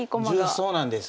そうなんです。